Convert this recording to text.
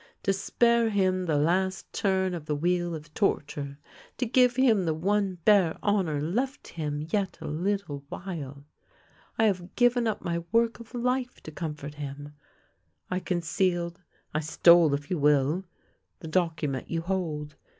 To spare him the last turn of the wheel of torture, to give him the one bare honour left him yet a little while, I have given up my work of life to comfort him; I concealed — I stole, if you will — the document you hold.